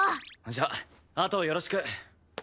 じゃああとよろしく。